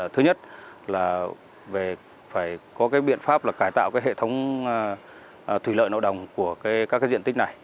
thứ nhất là phải có cái biện pháp là cải tạo hệ thống thủy lợi nội đồng của các diện tích này